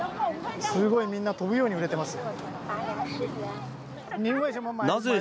すごい、みんな飛ぶように売れてます。